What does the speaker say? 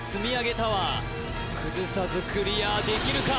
タワー崩さずクリアできるか？